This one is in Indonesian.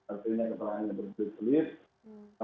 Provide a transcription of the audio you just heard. artinya keperluan yang berbeda beda